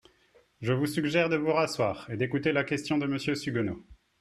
Je vous suggère de vous rasseoir et d’écouter la question de Monsieur Suguenot.